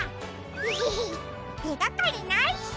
エヘヘヘてがかりないし。